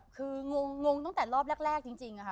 คืองงตั้งแต่รอบแรกจริงค่ะ